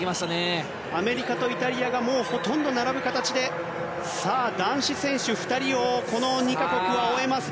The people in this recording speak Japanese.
アメリカとイタリアがほとんど並ぶ形でさあ、男子選手２人をこの２か国が終えます。